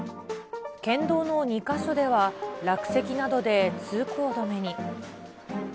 県道の２か所では、落石などで通行止めに。